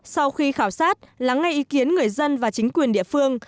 sau khi khảo sát lắng nghe ý kiến người dân và chính quyền địa phương